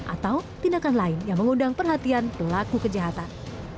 atau tindakan lain yang mengundang perhatian pelaku kejahatan